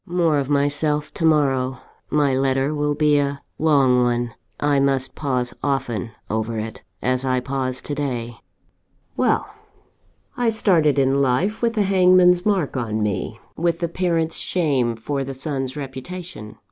"More of myself to morrow my letter will be a long one: I must pause often over it, as I pause to day." "Well: I started in life with the hangman's mark on me with the parent's shame for the son's reputation.